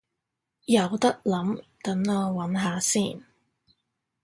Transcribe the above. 有得諗，等我搵下先